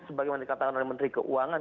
sebagaimana dikatakan oleh menteri keuangan